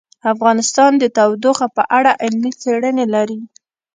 افغانستان د تودوخه په اړه علمي څېړنې لري.